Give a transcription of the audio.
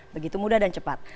begitu mudah dan cepat